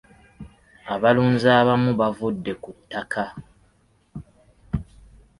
Abalunzi abamu baavudde ku ttaka.